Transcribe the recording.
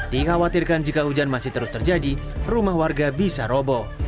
dikhawatirkan jika hujan masih terus terjadi rumah warga bisa robo